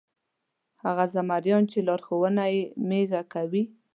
هغه زمریان چې لارښوونه یې مېږه کوي.